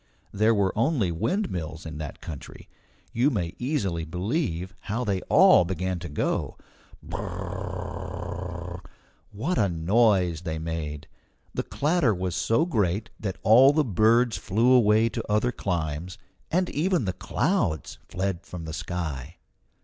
There were only windmills in that country; you may easily believe how they all began to go. B r r r r r! What a noise they made! The clatter was so great that all the birds flew away to other climes, and even the clouds fled from the sky.